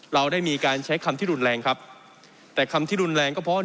เราได้มีการใช้คำที่รุนแรงครับแต่คำที่รุนแรงก็เพราะ